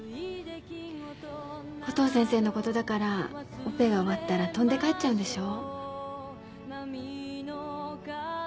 コトー先生のことだからオペが終わったら飛んで帰っちゃうんでしょう？